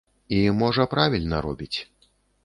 І, можа, правільна робіць.